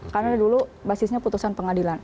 karena dulu basisnya putusan pengadilan